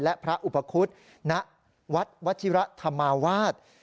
และพระอุปคุฎณวัดวชิระธรรมาวาส